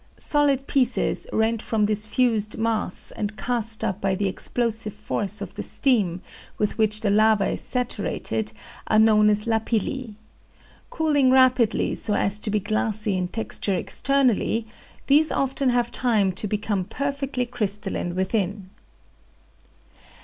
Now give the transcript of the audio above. Solid pieces rent from this fused mass and cast up by the explosive force of the steam with which the lava is saturated are known as lapilli. Cooling rapidly so as to be glassy in texture externally, these often have time to become perfectly crystalline within.